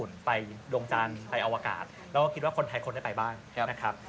แล้วก็คิดว่าคนไทยคนได้ไปบ้างนะครับ